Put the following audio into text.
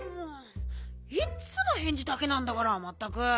いっつもへんじだけなんだからまったく！